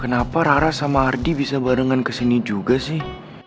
kenapa rara sama ardi bisa barengan kesini juga sih